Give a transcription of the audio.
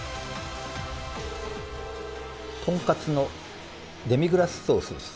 とんかつのデミグラスソースです。